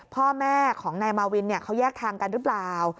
พ่อแม่ของนายมาวินเขาแยกทางกันหรือเปล่า